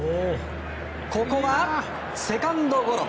ここは、セカンドゴロ。